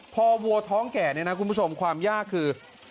พอวัวท้องแก่เนี่ยนะคุณผู้ชมความยากคือ